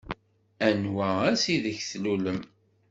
Anwa ass ideg tlulem?